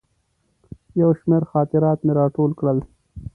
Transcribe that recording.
یو شمېر خاطرات مې راټول کړل.